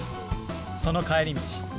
その帰り道。